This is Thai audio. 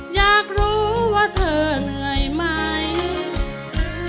อยากรู้ว่าเธอเหนื่อยไหม